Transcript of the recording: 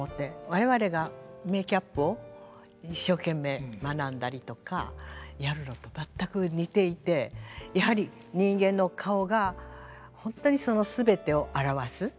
我々がメーキャップを一生懸命学んだりとかやるのと全く似ていてやはり人間の顔が本当にその全てを表す。